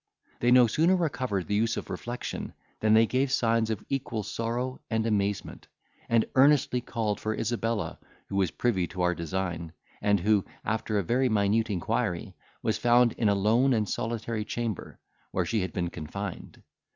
"They no sooner recovered the use of reflection, than they gave signs of equal sorrow and amazement, and earnestly called for Isabella, who was privy to our design, and who, after a very minute inquiry, was found in a lone and solitary chamber, where she had been confined.